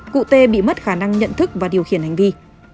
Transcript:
cụ tê bị mất khả năng nhận thức và điều khiển hành vi